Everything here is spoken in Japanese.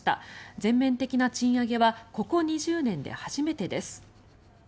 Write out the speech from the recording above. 全面的な賃上げはここ２０年で初めてです。